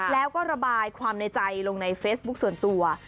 แล้วก็ระบายความในใจลงในเฟซบุ๊คส่วนตัว